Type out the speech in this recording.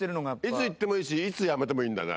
いつ行ってもいいしいつやめてもいいんだね。